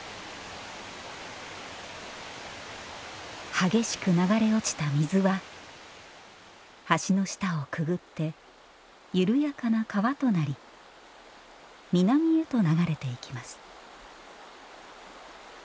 激しく流れ落ちた水は橋の下をくぐって緩やかな川となり南へと流れていきます